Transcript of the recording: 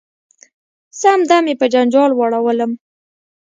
سم دم یې په جنجال واړولم .